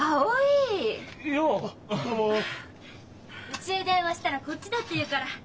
うちへ電話したらこっちだって言うから。